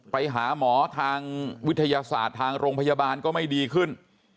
ไปหาหมอทางวิทยาศาสตร์ทางโรงพยาบาลก็ไม่ดีขึ้น